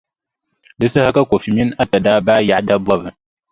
Di saha ka Kofi mini Atta daa baai yaɣi dabɔbʼ.